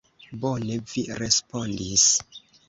Bone vi respondis.